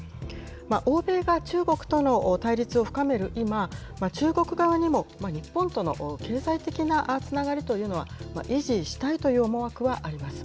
欧米が中国との対立を深める今、中国側にも日本との経済的なつながりというのは維持したいという思惑はあります。